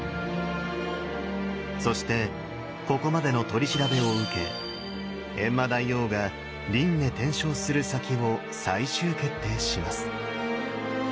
そしてここまでの取り調べを受け閻魔大王が輪廻転生する先を最終決定します。